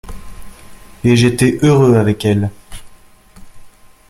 Et j'étais heureux avec elle.